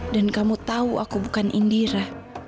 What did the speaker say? dan kamu tahu aku bukan indira